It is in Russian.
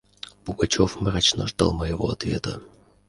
Пугачев мрачно ждал моего ответа.